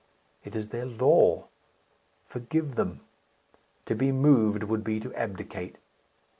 It is their law. Forgive them! To be moved would be to abdicate.